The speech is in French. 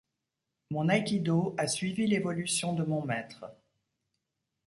Mon Aïkido a suivi l'évolution de mon maître.